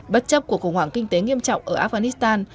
bất chấp cuộc khủng hoảng kinh tế nghiêm trọng ở afghanistan